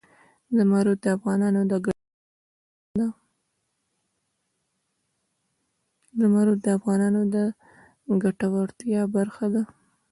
زمرد د افغانانو د ګټورتیا برخه ده.